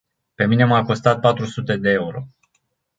Pe mine m-a costat patru sute de euro.